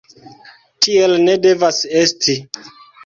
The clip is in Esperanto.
Tiel ne devas esti!